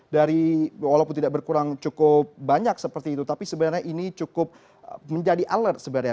dari walaupun tidak berkurang cukup banyak seperti itu tapi sebenarnya ini cukup menjadi alert sebenarnya